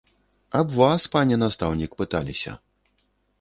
Аб вас, пане настаўнік, пыталіся.